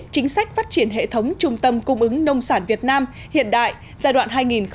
chính sách phát triển hệ thống trung tâm cung ứng nông sản việt nam hiện đại giai đoạn hai nghìn một mươi sáu hai nghìn hai mươi